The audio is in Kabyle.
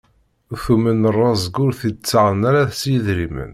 Tumen rrezg ur t-id-ttaɣen ara s yidrimen.